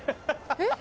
えっ？